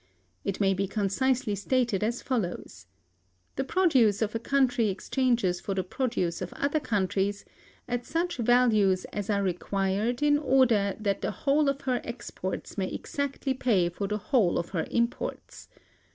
It may be concisely stated as follows: The produce of a country exchanges for the produce of other countries at such values as are required in order that the whole of her exports may exactly pay for the whole of her imports.